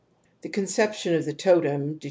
. The conception of the totem de ^^^ i.